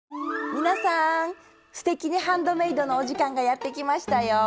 皆さん「すてきにハンドメイド」のお時間がやって来ましたよ。